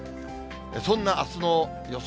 そんなあすの予想